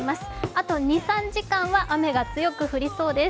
あと２３時間は雨が強く降りそうです